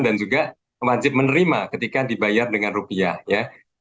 dan juga wajib menerima ketika dibayar dengan rupiah ya